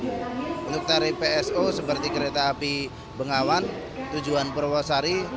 untuk tarif pso seperti kereta api pengawan tujuan perwasari